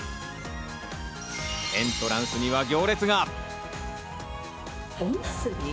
エントランスには行列が。